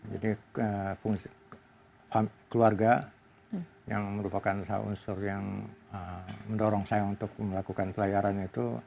jadi keluarga yang merupakan salah satu unsur yang mendorong saya untuk melakukan pelajaran itu